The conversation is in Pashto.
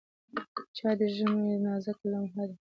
چای د ژمي نازکه لمحه ده.